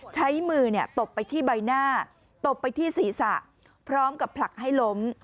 ใช้มือตบไปที่ใบหน้าตบไปที่ศีรษะพร้อมกับผลักให้ล้ม